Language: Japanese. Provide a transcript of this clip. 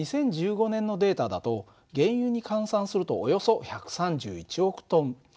２０１５年のデータだと原油に換算するとおよそ１３１億トン。